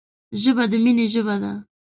ژبه د مینې ژبه ده